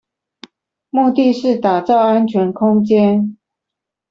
目的是打造安全空間